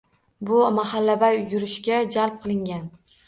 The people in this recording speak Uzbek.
Bugun mahallabay yurishga jalb qilingan